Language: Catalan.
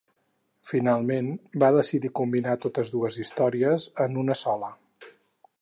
Finalment va decidir combinar totes dues històries en una sola.